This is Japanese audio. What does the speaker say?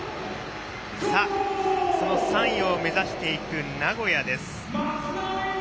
その３位を目指していく名古屋です。